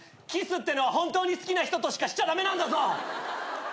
キスってのは本当に好きな人としかしちゃ駄目なんだぞ。